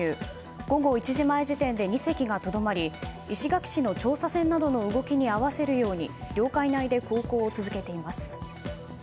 午後１時前時点で２隻がとどまり石垣市の調査船などの動きに合わせるように領海内で航行を続けています。